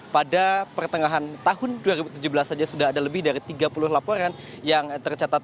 pada pertengahan tahun dua ribu tujuh belas saja sudah ada lebih dari tiga puluh laporan yang tercatat